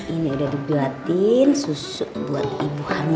ini udah dibuatin susu buat ibu hamil